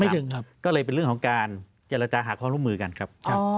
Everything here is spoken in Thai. ถึงครับก็เลยเป็นเรื่องของการเจรจาหาความร่วมมือกันครับ